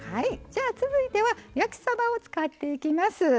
じゃあ続いては焼きさばを使っていきます。